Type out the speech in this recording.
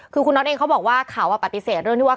คือคุณน็อตเองเขาบอกว่าเขาปฏิเสธเรื่องที่ว่า